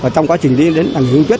trong quá trình đi đến hưng tuyết